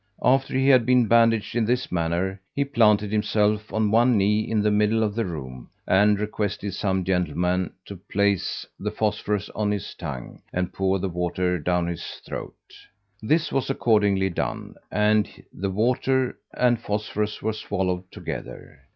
After he had been bandaged in this manner, he planted himself on one knee in the middle of the room, and requested some gentleman to place the phosphorus on his tongue and pour the water down his throat. This was accordingly done, and the water and phosphorus were swallowed together.